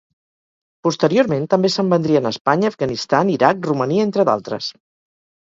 Posteriorment també se'n vendrien a Espanya, Afganistan, Iraq, Romania entre d'altres.